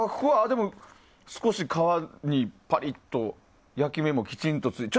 でも、少し皮にパリッと焼き目もきちんとついて。